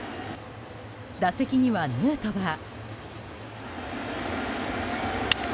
打席にはヌートバー。